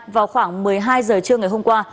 vào khoảng một mươi hai giờ trưa ngày hôm qua